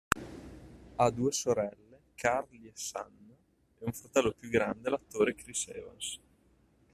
Ha due sorelle, Carly e Shanna, e un fratello più grande, l'attore Chris Evans.